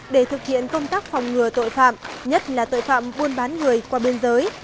để thực hiện công tác phòng ngừa tội phạm nhất là tội phạm buôn bán người qua biên giới